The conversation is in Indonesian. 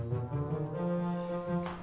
duduk dulu sini